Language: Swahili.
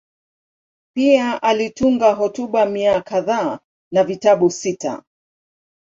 Pia alitunga hotuba mia kadhaa na vitabu sita.